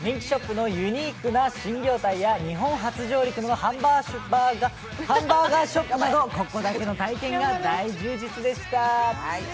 人気ショップのユニークな新業態や日本初上陸のハンバーガーショップなどここだけの体験が大充実でした。